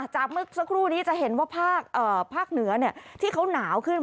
เมื่อสักครู่นี้จะเห็นว่าภาคเหนือที่เขาหนาวขึ้น